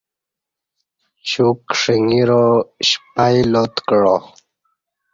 چوک شݩگرا شپئی لات کعا